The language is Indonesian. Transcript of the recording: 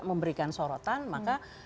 memberikan sorotan maka